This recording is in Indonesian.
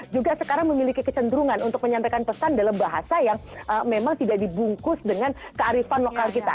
juga sekarang memiliki kecenderungan untuk menyampaikan pesan dalam bahasa yang memang tidak dibungkus dengan kearifan lokal kita